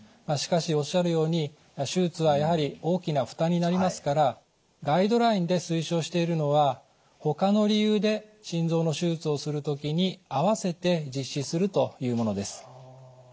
しかしおっしゃるように手術はやはり大きな負担になりますからガイドラインで推奨しているのは他の理由で心臓の手術をする時に併せて実施するというものです。